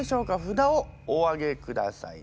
札をお上げください。